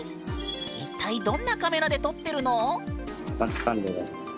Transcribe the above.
一体どんなカメラで撮ってるの？